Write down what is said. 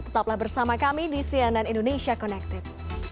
tetaplah bersama kami di cnn indonesia connected